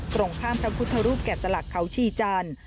ตรงข้ามพระพุทธรูปแก่สลักเขาชีจันทร์